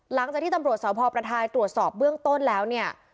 หลังจากที่ตำรวจสพประทายตรวจสอบเบื้องต้นแล้วเนี่ย